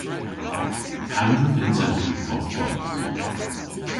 Pandr'a vynsewgh hwi godhvos?